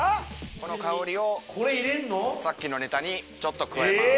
この香りをさっきのネタにちょっと加えます。